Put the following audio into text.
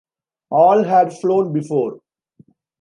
All had flown before.